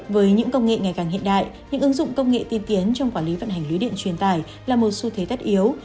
với những công nghệ ngày càng hiện đại những ứng dụng công nghệ tiên tiến trong quản lý vận hành lưới điện truyền tải là một xu thế tất yếu